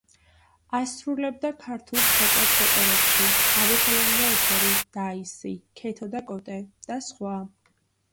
ასრულებდა ქართულ ცეკვებს ოპერებში „აბესალომ და ეთერი“, „დაისი“, „ქეთო და კოტე“ და სხვა.